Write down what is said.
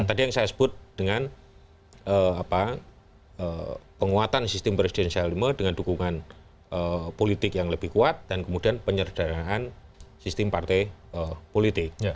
tadi yang saya sebut dengan penguatan sistem presidensialisme dengan dukungan politik yang lebih kuat dan kemudian penyerdaraan sistem partai politik